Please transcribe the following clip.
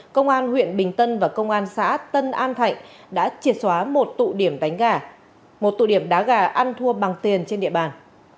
công an huyện bình tân và công an xã tân an thạnh đã triệt xóa một tụ điểm đá gà ăn thua bằng tiền trên địa bàn